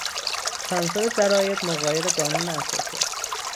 سانسور جرائد مغایر قانون اساسی است